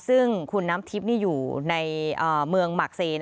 ซึ่งคุณน้ำทิพย์นี่อยู่ในเมืองหมากเซ